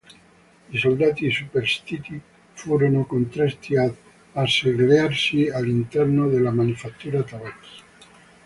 I soldati superstiti furono costretti ad asserragliarsi all'interno della Manifattura Tabacchi.